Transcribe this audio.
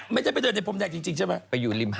ไปอย่างไร